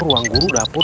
ruang guru dapur